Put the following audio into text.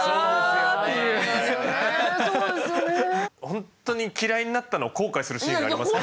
ほんとに嫌いになったのを後悔するシーンがあります。